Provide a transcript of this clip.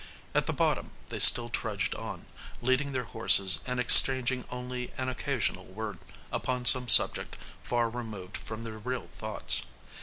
At the bottom they still trudged on, leading their horses and exchanging only an occasional word upon some subject far removed from their real thoughts.